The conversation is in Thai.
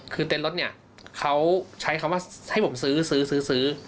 คือเต้นรถเนี่ยเขาใช้คำว่าให้ผมซื้อซื้อ